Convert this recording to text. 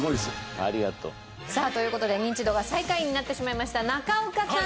ありがとう。という事でニンチドが最下位になってしまいました中岡さん